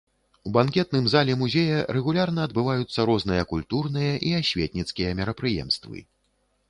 У банкетным зале музея рэгулярна адбываюцца розныя культурныя і асветніцкія мерапрыемствы.